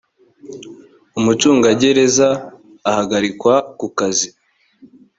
umucungagereza ahagarikwa ku kazi